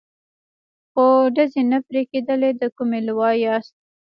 خو ډزې نه پرې کېدلې، د کومې لوا یاست؟